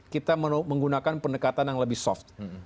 kita menggunakan pendekatan yang lebih soft